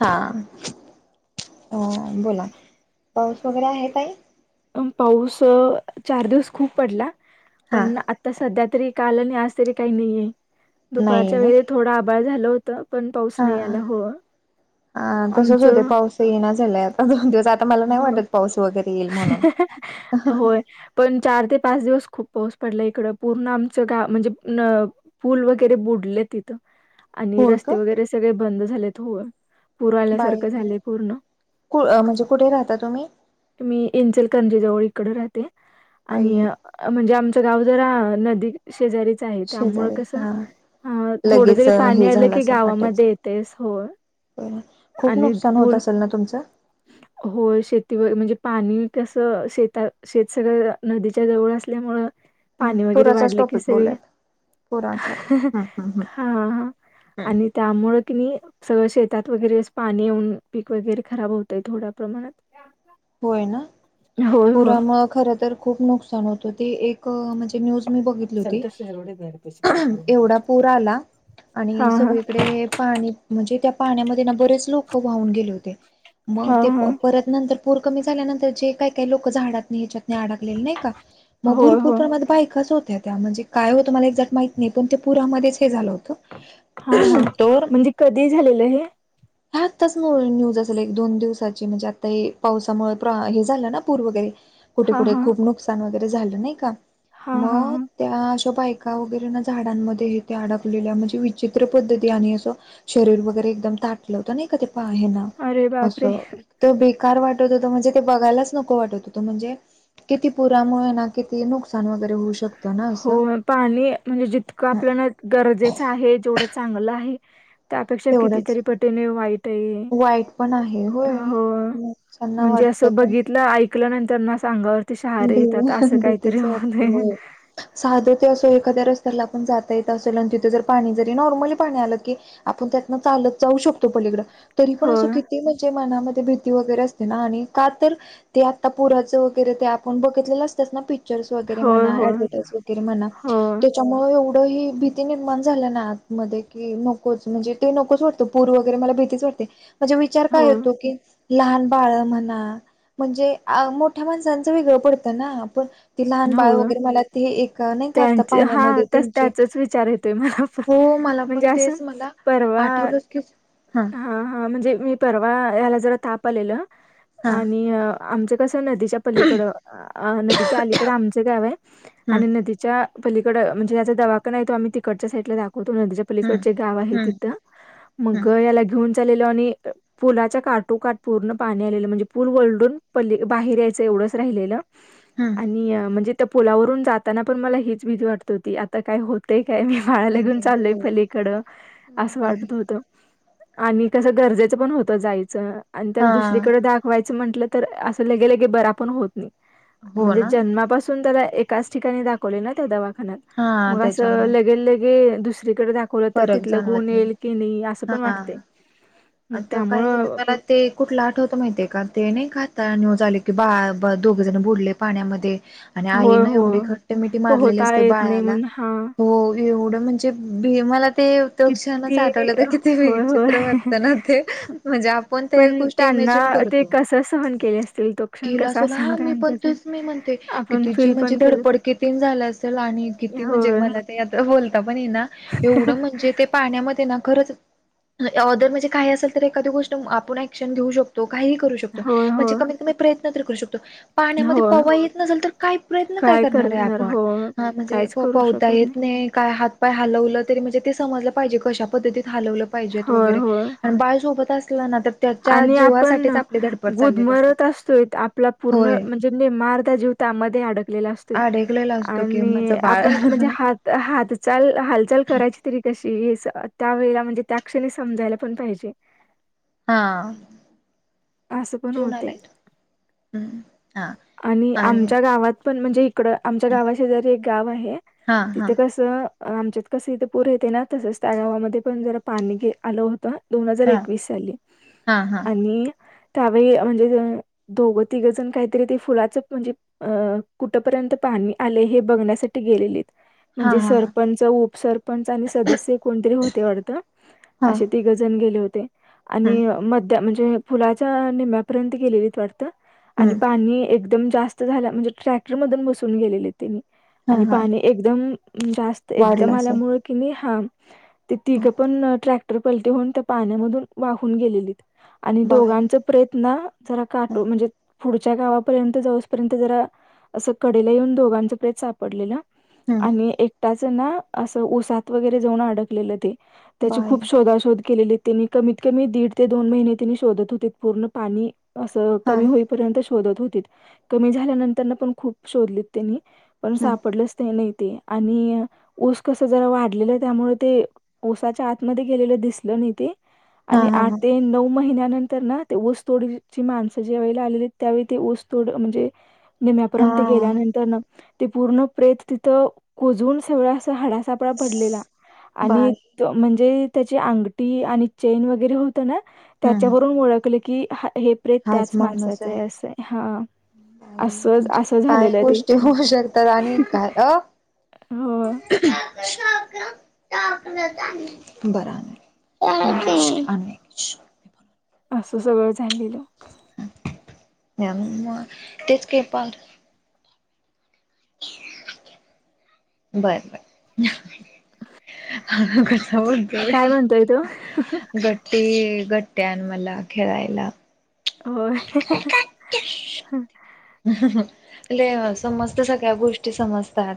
हां. अ-बोला पाऊस वगैरे आहे ताई. पाऊस अ चार दिवस खूप पडला. हा. पण आत तर सध्या तरी काल आणि आज तरी काही नाहीये, नाहीये दुपारच्या ना. वेळी थोडा आभाळ झालं होतं. आता पण पाऊस हा. नाही, आला हो आमचं. येना झालंय आता दोन दिवस, आता मला नाही हो वाटत पाऊस वगैरे येईल म्हणून. होय पण चार ते पाच दिवस खूप पाऊस पडला. इकडं पूर्ण आमचं गाव म्हणजे, पूल वगैरे बुडले तिथं. आणि होय का? रस्ते वगैरे सगळे बंद झालेत. होय पुर बाय आल्यासारखं झाले पूर्ण. कु म्हणजे कुठे राहता तुम्ही? मी इंचलकरजीजवळ इकडे राहते. आणि आई म्हणजे आमचं गाव जरा, नदी शेजारीच आहे त्यामुळं शेजारी कसं. हा हा थोडं लगेच जरी पाणी हे आलं झालं की, गावामध्ये येतेस होय. होय. आणि पूल, न तुमचं, हो शेती व म्हणजे पाणी कसं, शेतात शेत सगळं नदीच्या जवळ असल्यामुळं. पाणी वगैरे पुराचाच वाढले, की टॉपिक सगळे. बोलूयात पुराचा हम्म हम्म हा हम्म. आणि, त्यामुळं कणी सगळं शेतात वगैरे, पाणी येऊन पीक वगैरे खराब होतं थोड्या प्रमाणात. होय ना, होय होय पुरामुळ खर तर खूप नुकसान होत. ते एक म्हणजे, न्यूज मी बघली होती, एवढा पूर आला. हा आणि हा सगळीकडे पाणी म्हणजे, त्या पाण्यामध्ये ना बरेच लोकं वाहून गेले होते. हा मग ते हा परत नंतर पूर कमी झाल्यानंतर जे, काय काय लोकं झाडात नी हेच्यात नी आडकलेले नाही. होय भरपूर होय. प्रमाण बायकाच होत्या, त्या म्हणजे. काय होतं मला एक्झॅक्ट मला माहीत नाही. पण ते पुरामध्येच हे झालं होतं. हा हा, तर म्हणजे कधी झालेलं हे. आत्ताच न्यूज असेल. एक दोन दिवसाची म्हणजे आता हे, पावसामुळे हे झालं ना पूर वगैरे, कुठे हा कुठे हा खूप नुकसान वगैरे झालं नाही का. हा हा मग. हा त्या अशा बायका वगैरे ना, झाडांमध्ये हे ते अडकलेल्या म्हणजे विचित्र पद्धती आणि असं. शरीर वगैरे एकदम ताटलं होत नी. का ते पा हेन अरे बापरे असं एक तर, कार वाटत होतं म्हणजे ते, बघायलाच नको वाटत होतं म्हणजे, किती पुरामुळे ना किती नुकसान वगैरे होऊ शकत. होय. पाणी म्हणजे जितकं आपल्याला गरजेचं आहे, जेवढं चांगलं आहे. त्यापेक्षा तेवढंच कितीतरी पटीने वाईट आहे वाईट पण आहे होय हे. माणसांना म्हणजे वाटत असं पण बघितलं, ऐकलं नंतरन अंगावर. ते शहारे भी येतात, असं काहीतरी भीतीच वाटते होतंय. होय साधं ते असं एखाद्या रस्त्याला आपण जाता येत असेल, आणि तिथे जर पाणी जरी नॉर्मली पाणी आलं की. आपण त्यातन चालत जाऊ शकतो, पलीकडं तरी पण असं होय किती. म्हणजे मनामध्ये भीती वगैरे असते ना, आणि का तर ते आता पुराचं वगैरे ते. पण बघितलेलं असतात ना, पिक्चर्स वगैरे होय म्हणा होय ऍडव्हटाईज वगैरे म्हणा. होय त्याच्यामुळे एवढं हे भीती निर्माण झाल्या ना. आत मध्ये कि नकोच म्हणजे, ते नकोच वाटतो पूर वगैरे मला भितीच वाटते. म्हणजे विचार काय होय येतो की, लहान बाळं म्हणा म्हणजे मोठ्या माणसांच. च वेगळा पडतं ना आपण ते लहान बाळ होय वगैरे मला ते एक नाही खातत त्यांचे हा पाहण्यामध्ये तस त्यांचे. त्याचाच विचार येतोय मला पण हो मला पण म्हणजे असं तेच मला आठवलंच की हा. हा हा म्हणजे मी परवा याला जरा ताप आलेलं हा आणि आमच्या कसं नदीच्या. पलीकड नदीच्या अलीकडे आमचं गाव आहे हम्म आणि नदीच्या पलीकडं म्हणजे आता दवाखाना आहे तो आम्ही तिकडच्या साईडला दाखवतो नदीच्या पलीकड हम्म जे गाव आहे हम्म तिथं. हम्म मग याला घेऊन चाललेलो आणि पुलाच्या काठोकाठ पूर्ण पाणी आलेलं म्हणजे पूल वलडून प बाहेर यायचं एवढंच राहिलेलं. हम्म आणि म्हणजे त्या पुलावरून जाताना पण मला हेच भीती वाटत होती आता काय होतेय काय. खायला काय घेऊन हो चाललोय पलीकडं मग असं काय वाटत होत. आणि कसं गरजेचं पण होत जायचं आणि हा त्याला दुसरीकडे दाख व्हायचं म्हंटलं तर असं लगे लगे बरा पण होत नाही. हो म्हणजे ना जन्मापासून त्याला एकाच ठिकाणी दाखवले ना त्या दवाखान्यात हा मग असं त्याच्यामुळे लगेल लग हे दुसरीकड दाख कोण तर फरक तिथलं गुण जाणवत नाही येईल की नाही असं हा पण वाटते मग आता काय झालं त्यामुळं. मला ते कुठला आठवत माहिती आहे का ते नाही खात झाले की बा दोघे जण बुडले पाण्यामध्ये. आणि होय आईन एवढी होय घट्ट मिठी मारलेली पोहता असते येत नाही बाळाला म्हणून हा हो. एवढं म्हणजे भे मला ते. त क्षणच किती आठवलं तर किती होय होय वेगचित्र वाटतं ना ते म्हणजे आपण ते पण कुष्ठ. ते त्यांना इमॅजिन ते करतो कसं सहन केले असतील तो क्षण गेला कसा असला असेल हा मी पण त्यांच्यासाठी तेच मी म्हणते. की आपण तिची फील म्हणजे पण केलं तर धडपड किती झाला असेल आणि किती म्हणजे होय. मला ते आत बोलता पण ये ना एवढं म्हण जे ते पाण्यामध्ये ना खरंच. ऑदर म्हणजे काही असेल तर एखादी गोष्ट आपण ऍक्शन घेऊ शकतो काही करू श [unintelligible] होय, म्हणजे होय, कमीत कमी प्रयत्न तर करू शकतो. पाण्यामध्ये होय. पवा येत नसेल तर काय प्रयत्न काय करणार आहे आपण. होय. हा म्हणजे काहीच पो करू पहता शकत येत नाही काय हात. पाय हलवलं तरी म्हणजे ते समजलं पाहिजे कशा पद्धतीत हलवलं पाहिजेत होय, वगैरे. होय. आणि बाळ झोपत असलं ना तर. त्याच्या आणि आपण जीवासाठीच आपली धडपड चाललेली असते. गुदमरत असतोय आपला पूर्ण होय म्हणजेे निमा अर्धा जीव. त्यामध्ये अडकलेला असतोय अडकलेला असतो की आणि माझं बाळ आपण म्हणजे हात. हा ते च्याल चाल हालचाल करायची तरी कशी [unintelligible] त्यावेेळेला म्हणजे त्या क्षणी समजायला पण पाहिजे. हा. असं पण जेवून होते आलाय तो हम्म हा आणि आमच्या गावात. पण म्हणजे इकड आमच्या गावा जरी एक गाव आहे हा हा तिथे कस त आमच्यात कस इथं पूर येते ना तसंच त्या गावामध्ये पण जरा पाणी आलं होतं. दोन हजार हा एकवीस साली हा हा आणि. त्यावेळी म्हणजे दोघं तिघंजण काहीतरी ते फुलाचं म्हणजे. अ कुठपर्यंत पाणी आले हे बघण्यासाठी गेलेलीत हा हा म्हणजे हा सरपंच च उपसरपंच आणि सदस्य कोणतरी होते वाढत हा अशे तिघ जण गेले होते. आणि हम्म मध्य्या म्हणजे फुलाच्या निमम्यापर्यंत गेलेलीत वाटतं. आणि हम्म पाणी एकदम जास्त झालं म्हणजे ट्रॅक्टर मधून बसून गेलेलीत. तेनी हा आणि हा पाणी एकदम जास्त एकदम वाढलं असेल आल्यामुळे किणी हा. ते तिघ हं, पण ट्रॅक्टर पलटी होऊन त्या पाण्यामधून वाहून गेलेलीत. आणि बाय दोघांचा प्रयत्न जरा काटो म्हणजे पुढच्या गावापर्यंत जाऊसपर्यंत जरा. असं कडेला येऊन दोघांचं प्रेत सापडलेलं. हम्म आणि एकटाच ना असं ऊसात वगैरे जाऊन अडकलेलं ते. त्याची बाय खूप शोधशोध केलीली त्यांनी कमीत कमी दीड ते दोन महिने. तिने शोधत होती पूर्ण पाणी असं हा कमी होई पर्यंत शोधत होतीत कमी झाल्यानंतरण खप शोधलीत. त्यांनी पण हम्म सापडलंच ते नाही ते. आणि ऊस कस जरा वाढलेलं त्यामुळे ते ऊसाच्या आतमध्ये गेलेलं दिसलं नाही ते हा आणि हा आठ हा ते नऊ महिन्यानंतर ना ते ओसतोडची माणसं ज्या वेळेला आलेली त्यावेळी ते ओसतोड म्हणजे निम्यापर्यंत हा गेल्यानंतर न ते पूर्ण प्रेत तिथं कुजून सगळ्या अस हाडासा कपडा पडलेला आणि बाय म्हणजे त्याची अंगठी आणि चेन वगैरे होत ना हम्म त्याच्यावरून ओळखले. कि हे प्रेत हाच त्याच माणसाचं आहे असं हा. नाही म्हणजे काय गोष्टी होऊ शकतात आणि काय अ हो. ह. [unintelligible] बर आणुया. असं सगळं झालेलं. मग तेच के पाल बर बर. कसा बोलतोय काय म्हणतोय तो? बघ की ग ते घट्ट्या आण मला खेळायला. होय. ले अ समजत सगळ्या गोष्टी समजतात.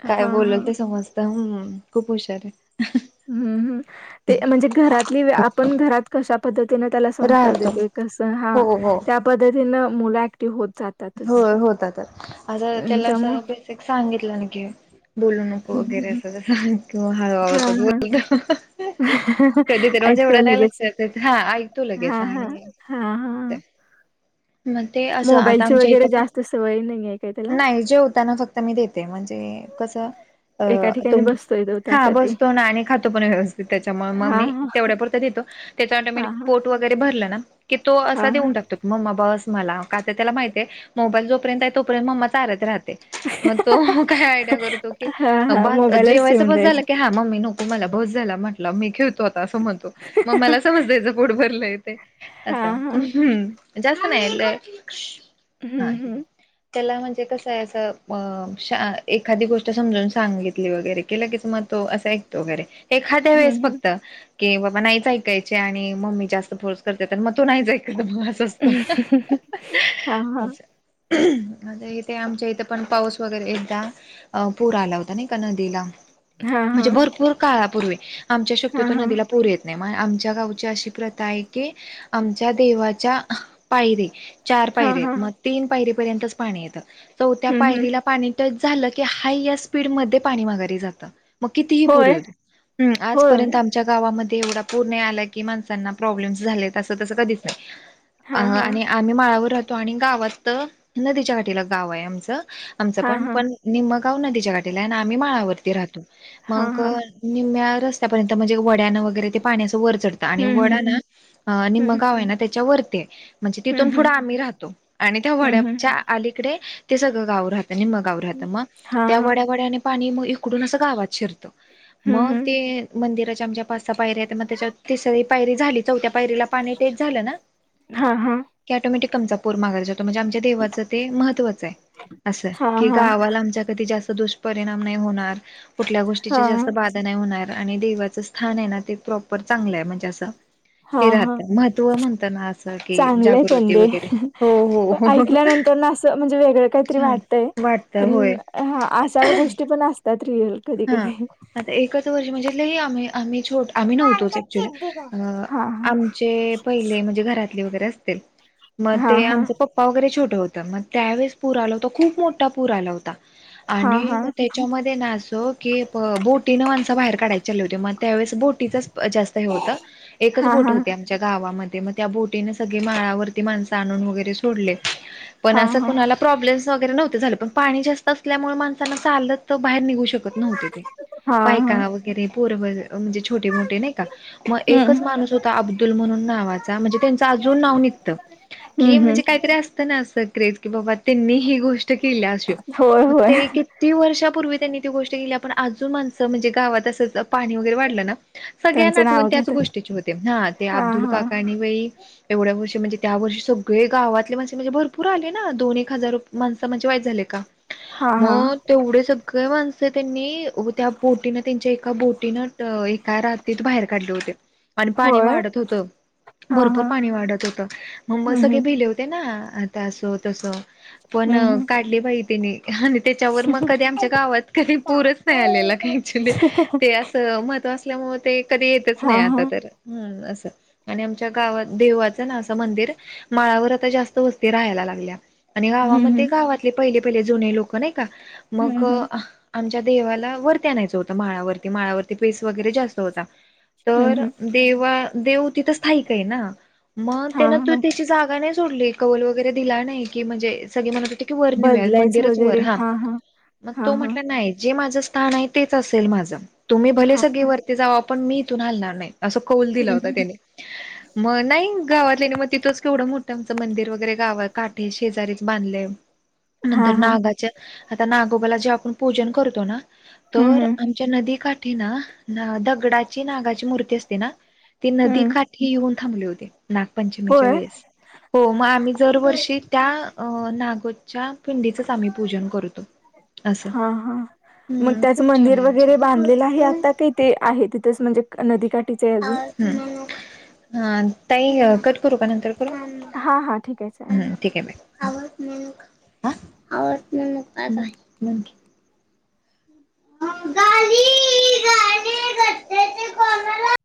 हां, काय बोलल हां. ते समजत ह खूप हुशार आहे. हम्म हम् ते म्हणजे घरातली आहे आपण घरात कशा पद्धतीन त्याला संस्कार राहतो देतोय कस हा हो हो त्या पद्धतीनं मुलं ऍक्टिव्ह होत जात हो होतातच असं त्याला अस त्यामुळं बेसिक सांगितलं न की बोलू नको हं, वगैरे हं. अस सांग किंवा हळु हां, आवाजात हां. बोलतो. कधीतरी म्हणजे ऐकतो एवढं लगेच. नाही देत हा ऐकतो लगेच आणि हा हा मग ते असं आता मोबाईलची आमच्या वगैरे इथं पण जास्त सवय नाही आहे काय त्याला? नाही जेवताना फक्त मी देते म्हणजे कसं अ एका ठिकाणी तुम बसतोय. तो हा त्यासाठी बसतो ना आणि खातो पण व्यवस्थित त्याच्यामुळे मग हा मी तेवढ्या पुुरत देतो. त्याचा हा हा ऑटोमेटिक हा पोट वगैरे भरलं ना की तो हा असा हा देऊन टाकतो. मम्मा बस मला का तर त्याला माहितय मोबाईल जोपर्यंत आहे तोपर्यंत मम्माच चारत राहत मग तो काय आयडिया करतो की हा हा बस मोबाईलच जेवायचं ठेवून बस झालं द्यायचं की हा मम्मी न तुम्हाला भास झाला म्हटला मीे खेळ त आता असं म्हणतो मग मला समजत याचं पोट भरलं ते हा असं. हा जास्त नाहीे हम्म हा ह. हम्म त्याला म्हणजे कसं आहे असं अ श एखादी गोष्ट समजावून सांगितली वगैरे कि लंगेच म तो असं ऐकतो वगैरे एखाद्या वेळेस हम्म हम्म फक्त की बाबा नाहीच ऐकायचे आणि मम्मी जास्त फोर्स करते आणि मग तो नाहीच ऐकत माझ. हा हा. असं आता इथे आमच्या इथे पण पाऊस वगैरे एकदा अ पूर आला होता नाही का नदीला. हा म्हणजे हा भरपूर काळापूर्वी आमच्या हा शक्यतो हा नदीला पुूर येत नाही मग आमच्या गावची अशी प्रथा आहे की आमच्या देवाच्या पायरीे चार हा पायरे हा आहेत मग तीन पायरीपर्यंतच पाणी येतं चौथ्या हम्म हम्म पायरीला पाणी टच झालं की हाय या स्पीड मधे पाणी माघारी जात. मग कितीही पोर होय येऊदेत हम होय आजपर्यंत आम च्या गावामध्ये एवढा पूर नाही आला की माणसांना प्रॉब्लेम् झाले तसं तसं कधीच नाही. अ हा हा आणि आम्ही माळावर राहतो आणि गावत नदीच्या काठीला गाव आहे आमचं. आमचं हा पण हा पण निम्म गाव नदीच्या काठीेला आणि आम्ही माळावरती राहतो हा मग हा निम्या रस्त्यापर्यंत म्हणजे वड्यानं वगैरे ते पाण्या असं वर चढत आणि हम्म वडा हम्म ना अ निम्म हम्म गाव आहे ना त्याच्या वर म्हणजे तिथून पुढं हम्म आम्ही राहतो आणि त्या हम्म हम्म वड्याच्या अलीकडे ते सगळं गाव राहत. निम्म गाव राहत हम्म मग, हा त्या हा वड्या-वड्याने पाणी मग इकडून अस गावात शिरत. हम्म मग हम्म ते मंदिराच्या आमच्या पाच सहा पायऱ्या आहेत, मग त्याच्या तिसरी पायरी झाली. चौथ्या पायरीला पाणी टेक झालं ना हा हा. की ऍटोमेटिक आमचा पुर माघारी जातो म्हणजे आम ते देवाचं ते महत्वचं आहे. असं हा की हा गावाला आमच्या कधी जास्त दोष परिणाम नाही होणार, कुठल्या गोष्टीच हा जास्त बाद नाही होणार आणि देवाच स्थान आहे ना ते प्रॉपर चांगलं आहे म्हणजे असं हा हे हा राहत. महत्त्व म्हणत ना आस चांगलंय पण ते हो हो ऐकल्यानंतर ना असं म्हणजे वेगळं काहीतरी छान वाटतंय. वाटतं पण होय अ हा अशा गोष्टी पण असतात रियल कधी हा. कधी. आता एकच वर्षी म्हणजे लई आम्ही आम्ही छोट आम्ही नव्हतोच ऍक्च्युली. अ हा आमचे पहिले म्हणजे घरातले वगैरे असतील. मग हा ते हा आमचं पप्पा वगैरे छोटं होतं, मग त्यावेळेस पूर आला होता. खूप मोठा पूर आला होता. हा आणि हा मग त्याच्यामध्ये ना अ बघ की ब-बोटीनं माणस बाहेर काढायची चालली होते, मग त्यावेळेस बोटीचच जास्त हे होतं. एकच हा बोट हा होती आमच्या गावामध्ये, मग त्या बोटीने सगळी माळावर ते माणसं आणून वगैरे सोडले, पण हा अस हा कोणाला प्रॉब्लेम्स वैगेरे नव्हतं झालं. पण पाणी जास्त असल्यामुळे माणसांना चालत तर बाहेर निघू शकत नव्हते ते. हा हा बायका वर गेरे पोर ब म्हणजे छोटे मोठे नाही का मग हम्म एकच माणूस होता अब्दुल म्हणून नावाचा म्हणजे त्यांचं अजून नाव निघतं. की हम्म हम्म म्हणजे कायतरी अस ते ना अस क्रेज की बाबा त्यांनी ही गोष्ट केल्या अशी, होय मग ते होय कित किती वर्षापूर्वी त्यांनी ती गोष्ट केली, पण अजून माणसं म्हणजे गावात अस पाणी वगैरे वाढलं ना, सगळ्यांना त्यांचे आठवण नाव त्याच घेतात गोष्टीचे होते. हा आणि ते अब्दुल काकांनी बाई एवढ्या वर्षी म्हणजे त्या वर्षी सगळे गावातले माणसे म्हणजे भरपूर आले ना. दोन एक हजार माणसं म्हणजे वाईच झाले का? हा हा मग तेवढे सगळे माण स त्यांनी त्या बोटीन त्यांच्या एका बोटीनं एका रातीत बाहेर काढले होते. आणि पाणी होय वाढत होतं. हा भरपूर हा पाणी वाढत होतं, मग हम्म सगळे हम्म भिले होते ना ते असं तसं, पण हम्म काढली बाई त्यांनी आणि त्याच्यावर मग कधी आमच्या गावात कधी पूरच नाही आलेला काय ऍक्च्युली. ते असं महत्व असल्यामुळं ते कधी येतच हा नाही हा आता तर, हम्म असं. आणि आमच्या गावात देवाचं ना असं मंदिर माळावर आता जास्त वस्ती राहायला लागल्या. आणि हम्म गावामध्ये हम्म गावातले पहिले पहिले जुने लोक नाही का, मग हम्म अ आमच्या देवाला वरती आणायचं होतं माळावरती. माळावरती पेस वगैरे जास्त होता. हम्म तर हम्म देवा-देव तिथं स्थायिक आहे ना, मग हा त्यान तु हा ते ची जागा नाही सोडली. कौल वगैरे दिला नाही म्हणजे सगळे म्हणत होते की वर नेऊया मंदिरच वर हा. मग हा तो हा म्हंट नाही जे माझं स्थान आहे तेच असेल माझं. तुम्ही भले हा सगळे वरती जावा पण मी इथून हालणार नाही. असं कौल दिला होता त्याने. [inaudible] मग नाही गावातल्यांनी मग तिथंच केवढं मोठं आमचं मंदिर वगैरे गावात काठी शेजारीच बांधलंय. [inaudible] नंतर हा नागाच्या आता नागोबाला जे आपण पूजन करतो ना, हम्म तर आम च्या नदीकाठी ना, दगडाची नागाची मूर्ती असते ना ते हम्म नदीकाठी येऊन थांबले होते, नागपंचमीच्या होय वेळेस. हो मग आम्ही दरवर्षी त्या अ नागोदच्या पिंडीचंच आम्ही पूजन करतो. असं हा हा. मग हम्म त्याचं खूप छान मंदिर आहे आमच्या वगैरे बांधलेलं आहे इथे आता, काही ते आहे तिथेच म्हणजे नदीकाठीच आहे अजून? हम्म, ह ताई कट करू का, नंतर करू? हा हा ठीके आहे चालेल. ठीक आहे बाय, आवाज म्हणू हा आवज म्हणू का बाय बाय. [unintelligible] गाणी गाणी घट ते कोणाला.